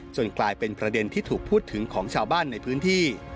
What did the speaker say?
กลายเป็นประเด็นที่ถูกพูดถึงของชาวบ้านในพื้นที่